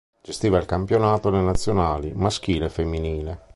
Gestiva il campionato e le nazionali maschile e femminile.